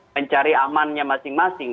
mencari amannya masing masing